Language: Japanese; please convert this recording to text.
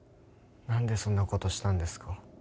何でそんなことしたんですか？